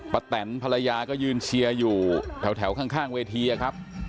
แตนภรรยาก็ยืนเชียร์อยู่แถวข้างเวทีครับ